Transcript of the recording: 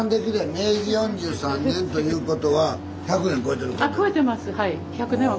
「明治四十三年」ということは１００年超えてるってこと。